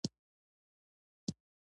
د خطابې میز هم درول شوی و.